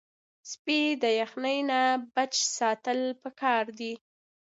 سپي د یخنۍ نه بچ ساتل پکار دي.